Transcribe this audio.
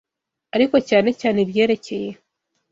ariko cyane cyane ibyerekeye